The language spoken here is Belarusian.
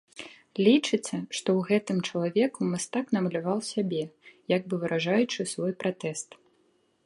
Лічыцца, што ў гэтым чалавеку мастак намаляваў сябе, як бы выражаючы свой пратэст.